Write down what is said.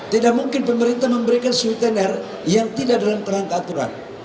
tidak mungkin pemerintah memberikan suitener yang tidak dalam terang keaturan